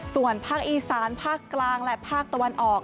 ส่วนภาคอีสานภาคกลางและภาคตะวันออก